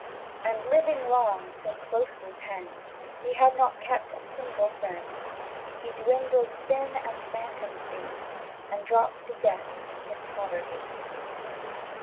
And, living long so closely penned, He had not kept a single friend; He dwindled thin as phantoms be, And drooped to death in poverty